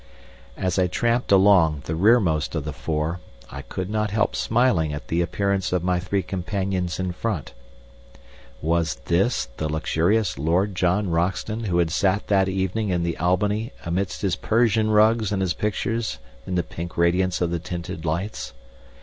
As I tramped along, the rearmost of the four, I could not help smiling at the appearance of my three companions in front. Was this the luxurious Lord John Roxton who had sat that evening in the Albany amidst his Persian rugs and his pictures in the pink radiance of the tinted lights?